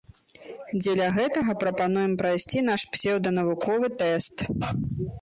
Дзеля гэтага прапануем прайсці наш псеўданавуковы тэст.